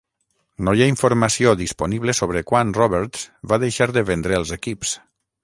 No hi ha informació disponible sobre quan Roberts va deixar de vendre els equips.